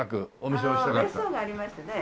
別荘がありましてね